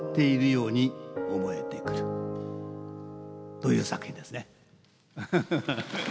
という作品ですね。